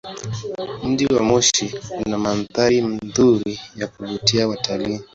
Mji wa Moshi una mandhari nzuri ya kuvutia watalii.